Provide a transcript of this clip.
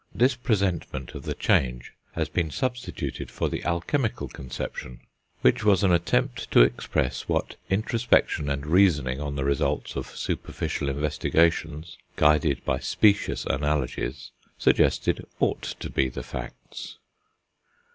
This presentment of the change has been substituted for the alchemical conception, which was an attempt to express what introspection and reasoning on the results of superficial investigations, guided by specious analogies, suggested ought to be the facts.